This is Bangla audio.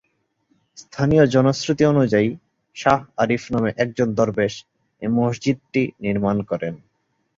স্থানীয় জনশ্রুতি অনুযায়ী শাহ আরিফ নামে একজন দরবেশ এ মসজিদটি নির্মাণ করেন।